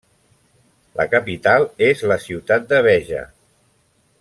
La capital és la ciutat de Béja.